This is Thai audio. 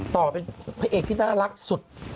ต่อเป็นแภนพ่อที่น่ารักสุด